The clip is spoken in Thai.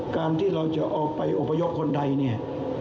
การที่เราจะออกไปอุปยกคนไทย